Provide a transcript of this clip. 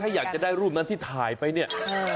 ถ้าอยากจะได้รูปนั้นที่ถ่ายไปเนี่ย